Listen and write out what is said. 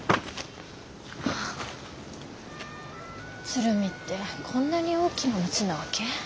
鶴見ってこんなに大きな町なわけ。